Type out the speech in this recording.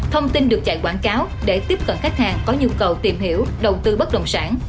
thông tin được chạy quảng cáo để tiếp cận khách hàng có nhu cầu tìm hiểu đầu tư bất đồng sản